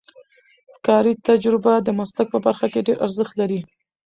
کاري تجربه د مسلک په برخه کې ډېر ارزښت لري.